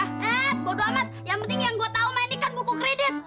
eh bodo amat yang penting yang gue tahu main ini kan buku kredit